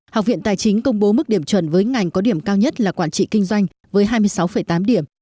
học viện tài chính công bố mức điểm chuẩn với ngành có điểm cao nhất là quản trị kinh doanh với hai mươi sáu tám điểm